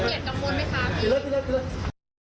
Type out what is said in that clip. พี่นำเกียจกังวลไหมคะพี่